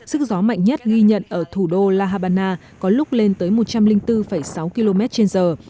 sức gió mạnh nhất ghi nhận ở thủ đô la habana có lúc lên tới một trăm linh bốn sáu km trên giờ